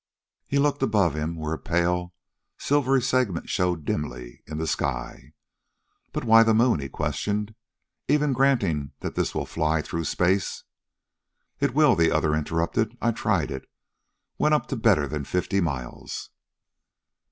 He looked above him where a pale, silvery segment showed dimly in the sky. "But why the moon?" he questioned. "Even granting that this will fly through space...." "It will," the other interrupted. "I tried it. Went up to better than fifty miles."